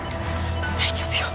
大丈夫よ！